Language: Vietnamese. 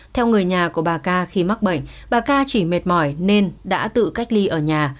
theo người nhà của bà ca khi mắc bệnh bà ca chỉ mệt mỏi nên đã tự cách ly ở nhà